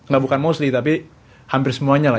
nah bukan mostly tapi hampir semuanya lah